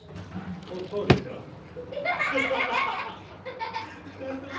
こうでしょ？頭！